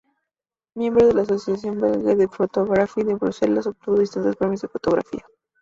Miembro de la Association Belge de Photographie de Bruselas, obtuvo distintos premios de fotografía.